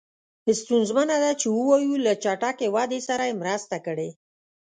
ستونزمنه ده چې ووایو له چټکې ودې سره یې مرسته کړې.